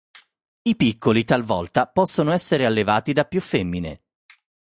I piccoli, talvolta, possono essere allevati da più femmine.